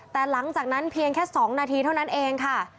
แต่หลังจากนั้นเพียงแค่๒นาทีเท่านั้นเองค่ะ